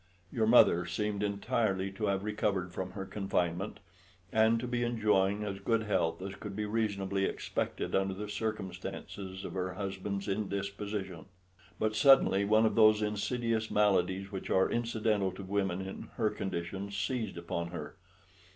Your mother seemed entirely to have recovered from her confinement, and to be enjoying as good health as could be reasonably expected under the circumstances of her husband's indisposition. But suddenly one of those insidious maladies which are incidental to women in her condition seized upon her.